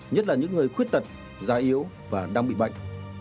nhất là những người khuyết tật già yếu và đang bị bệnh